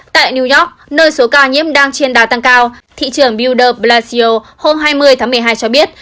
tại new york nơi số ca nhiễm đang trên đà tăng cao thị trưởng budder brazil hôm hai mươi tháng một mươi hai cho biết